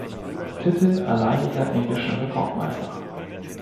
Titel alleiniger englischer Rekordmeister.